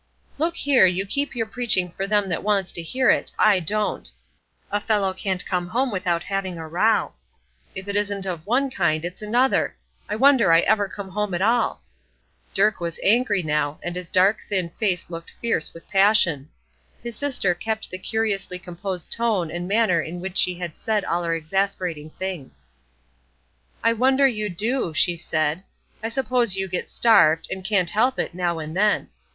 "Look here, you keep your preaching for them that wants to hear it; I don't. A fellow can't come home without having a row; if it isn't of one kind, it's another. I wonder I ever come home at all." Dirk was angry now, and his dark, thin face looked fierce with passion. His sister kept the curiously composed tone and manner with which she had said all her exasperating things. "I wonder you do," she said. "I suppose you get starved, and can't help it, now and then.